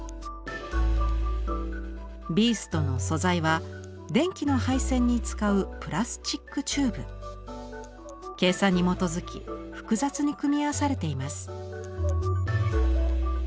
ビーストの素材は電気の配線に使う計算に基づき複雑に組み合わされています。